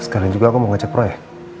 kalian juga mau ngecek pro ya